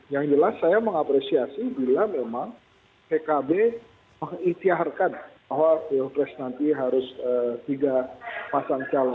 yang jelas saya mengapresiasi bila memang pkb mengikhtiarkan bahwa pilpres nanti harus tiga pasang calon